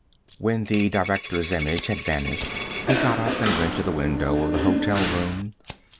When the director's image had vanished, he got up and went to the window of the hotel room.